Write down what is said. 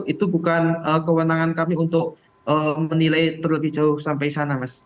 itu bukan kewenangan kami untuk menilai terlebih jauh sampai sana mas